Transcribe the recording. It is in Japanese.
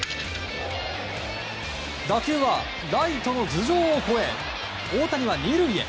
打球はライトの頭上を越え大谷は２塁へ。